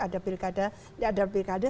ada pilkada ini ada pilkada